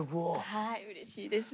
はいうれしいです。